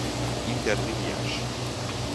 interlineares